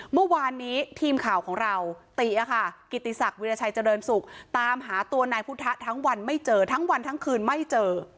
เมื่อวานนี้ทีมข่าวของเราติกิติศักดิราชัยเจริญสุขตามหาตัวนายพุทธะทั้งวันไม่เจอทั้งวันทั้งคืนไม่เจอ